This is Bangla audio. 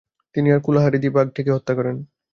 তিনি তার কুলহারি দিয়ে বাঘটিকে হত্যা করেন।